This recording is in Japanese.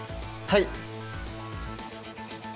はい。